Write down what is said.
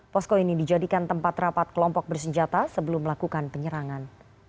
posko ini dijadikan tempat rapat kelompok bersenjata sebelum melakukan penyerangan